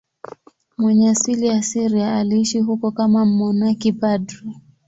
Mwenye asili ya Syria, aliishi huko kama mmonaki padri.